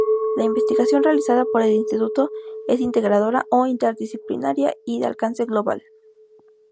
La investigación realizada por el instituto es integradora o interdisciplinaria y de alcance global.